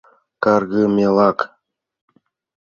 — Каргымелак!